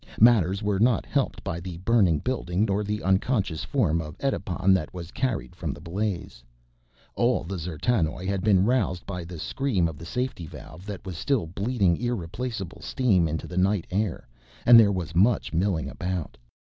Matters were not helped by the burning building nor the unconscious form of Edipon that was carried from the blaze. All the D'zertanoj had been roused by the scream of the safety valve, that was still bleeding irreplacable steam into the night air, and there was much milling about.